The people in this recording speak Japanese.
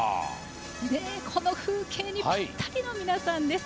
この風景にぴったりの皆さんです。